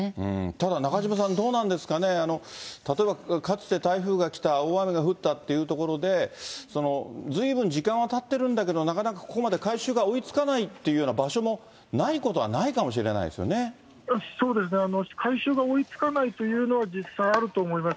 ただ中島さん、どうなんですかね、例えばかつて台風が来た、大雨が降ったっていうところで、ずいぶん、時間は立ってるんだけど、なかなかここまで改修が追いつかないっていうような場所もないこそうですね、改修が追いつかないというのは実際あると思います。